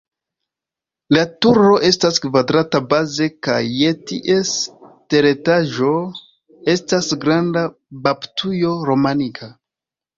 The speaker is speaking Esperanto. La turo estas kvadrata baze kaj je ties teretaĝo estas granda baptujo romanika.